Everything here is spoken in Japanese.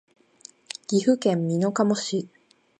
岐阜県美濃加茂市